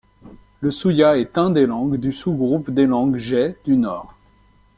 Le suyá est un des langues du sous-groupe des langues jê du Nord.